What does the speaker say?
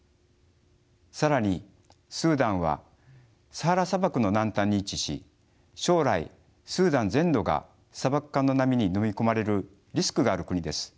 更にスーダンはサハラ砂漠の南端に位置し将来スーダン全土が砂漠化の波にのみ込まれるリスクがある国です。